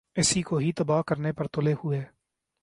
اسی کو ہی تباہ کرنے پر تلے ہوۓ ۔